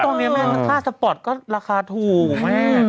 ตรงนี้แม่งราคาสปอร์ตก็ราคาถูกแม่ง